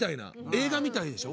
映画みたいでしょ？